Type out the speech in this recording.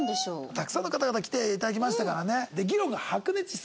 たくさんの方々来ていただきましたからね。